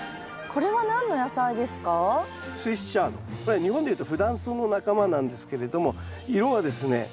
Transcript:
これは日本でいうとフダンソウの仲間なんですけれども色はですね